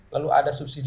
lalu ada subsidi sidi